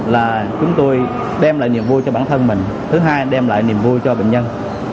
là chúng tôi đem lại niềm vui cho bản thân mình thứ hai đem lại niềm vui cho bệnh nhân